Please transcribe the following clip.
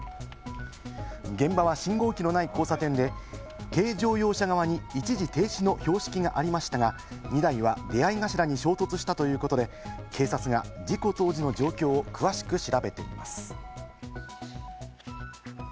現場は信号機のない交差点で、軽乗用車側に一時停止の標識がありましたが、２台は出合い頭に衝突したということで、警察が事故当時の状況を詳しく調べています。